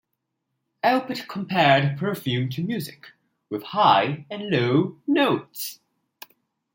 Alpert compared perfume to music, with high and low notes.